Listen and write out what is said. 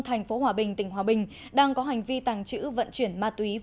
thành phố hòa bình tỉnh hòa bình đang có hành vi tàng trữ vận chuyển ma túy vũ khí nóng